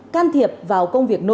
can thiệp vào công việc nội bộ